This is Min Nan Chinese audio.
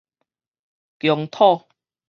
疆土